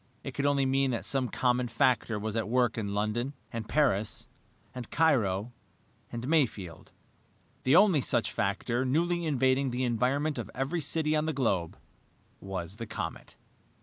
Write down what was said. It could only mean that some common factor was at work in London, and Paris, and Cairo, and Mayfield. The only such factor newly invading the environment of every city on the globe was the comet.